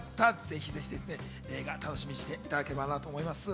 ぜひ映画楽しみにしていただければと思います。